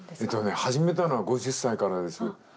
えっとね始めたのは５０歳からです。